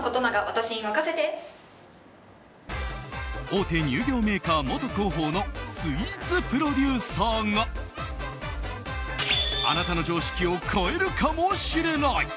大手乳業メーカー元広報のスイーツプロデューサーがあなたの常識を変えるかもしれない？